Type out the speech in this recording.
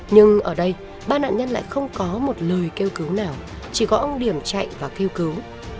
nhưng ở đây ba nạn nhân lại không có một lời kêu cứu nào chỉ có ông điểm chạy và kêu cứu